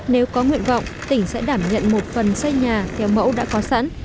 nếu có nguyện vọng tỉnh sẽ đảm nhận một phần xây nhà theo mẫu đã có sẵn